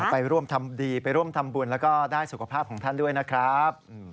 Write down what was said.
ไปร่วมทำดีไปร่วมทำบุญแล้วก็ได้สุขภาพของท่านด้วยนะครับ